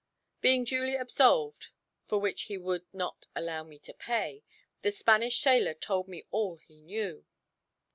Being duly absolved for which he would not allow me to pay the Spanish sailor told me all he knew.